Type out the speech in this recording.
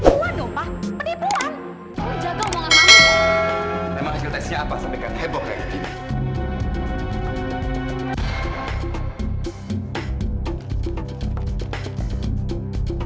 ini pasti ketukeran